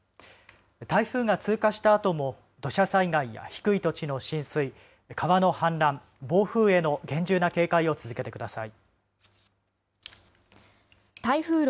台風が通過したあとも土砂災害や低い土地の浸水、川の氾濫、暴風への厳重な警戒を続けてください。